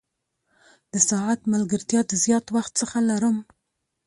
د ساعت ملګرتیا د زیات وخت څخه لرم.